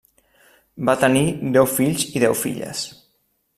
Va tenir deu fills i deu filles.